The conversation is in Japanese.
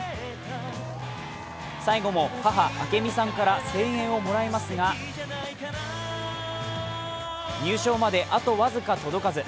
最後も母、明美さんから声援をもらいますが入賞まであと僅か届かず。